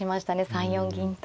３四銀と。